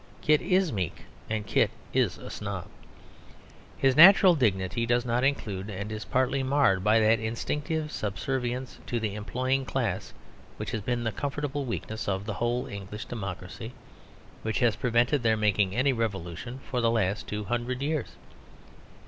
Kit is meek and Kit is a snob. His natural dignity does include and is partly marred by that instinctive subservience to the employing class which has been the comfortable weakness of the whole English democracy, which has prevented their making any revolution for the last two hundred years.